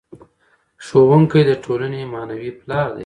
ښوونکی د ټولنې معنوي پلار دی.